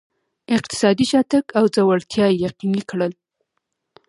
اقتصادي شاتګ او ځوړتیا یې یقیني کړل.